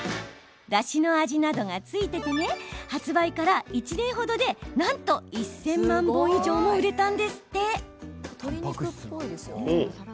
だしの味などが付いていて発売から１年ほどで１０００万本以上も売れました。